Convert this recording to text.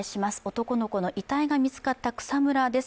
男の子の遺体が見つかった草むらです。